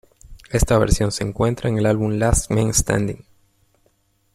Esta versión se encuentra en el álbum "Last Man Standing".